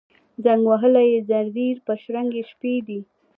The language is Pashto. زنګ وهلي یې ځینځیر پر شرنګ یې شپې دي